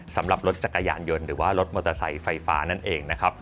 สำหรับรถจักรยานยนต์หรือว่ารถมอเตอร์ไซค์ไฟฟ้านั่นเองนะครับ